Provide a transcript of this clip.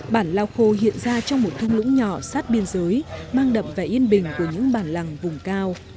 bản lao khô hiện ra trong một thung lũng nhỏ sát biên giới mang đậm vẻ yên bình của những bản làng vùng cao